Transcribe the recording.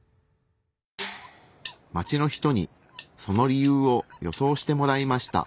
街の人にその理由を予想してもらいました。